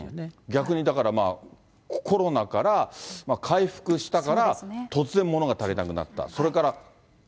逆にだから、コロナから回復したから突然ものが足りなくなった。